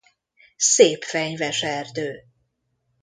Szép fenyves erdő.